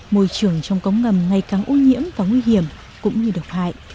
môi trường trong cống ngầm ngày càng ô nhiễm và nguy hiểm cũng như độc hại